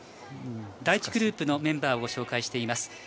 第１グループのメンバーをご紹介しています。